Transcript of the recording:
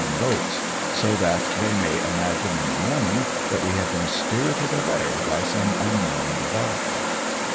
ing boats, so that they may imagine ia the morning that we have been spirited away by some unknown development.